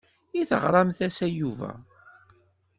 I teɣremt-as i Yuba?